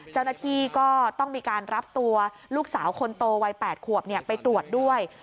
เจ้าหน้าที่ก็ต้องมีการรับตัวลูกสาวคนโตวัย๘ขวบไปตรวจด้วย